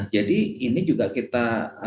jadi ini juga